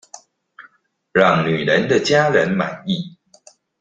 讓女人的家人滿意